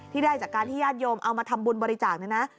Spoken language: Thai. ได้จากการที่ญาติโยมเอามาทำบุญบริจาคเนี่ยนะ